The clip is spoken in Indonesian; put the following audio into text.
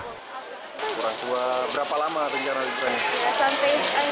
kurang tua berapa lama penjara di sekolah ini